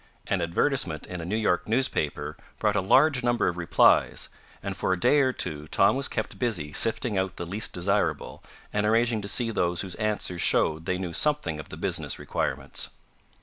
An advertisement in a New York newspaper brought a large number of replies, and for a day or two Tom was kept busy sifting out the least desirable, and arranging to see those whose answers showed they knew something of the business requirements.